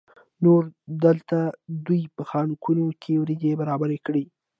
نور دلته دوی په خانکونو کې وریجې برابرې کړې.